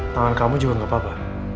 tangan kamu juga gak apa apa